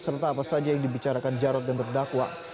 serta apa saja yang dibicarakan jarod dan terdakwa